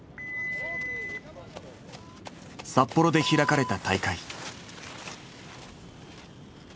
札幌で開かれた大会。